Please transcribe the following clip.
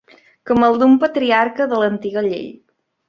Com el d'un patriarca de l'antiga llei